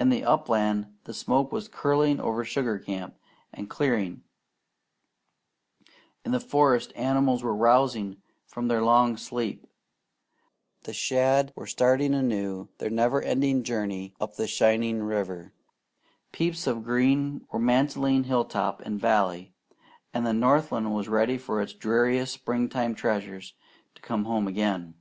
In the upland the smoke was curling over sugar camp and clearing; in the forests animals were rousing from their long sleep; the shad were starting anew their never ending journey up the shining river; peeps of green were mantling hilltop and valley; and the northland was ready for its dearest springtime treasures to come home again.